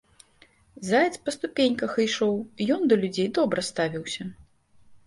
Заяц па ступеньках ішоў, ён да людзей добра ставіўся.